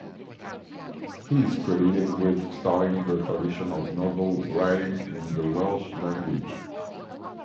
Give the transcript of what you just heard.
He is credited with starting the tradition of novel-writing in the Welsh language.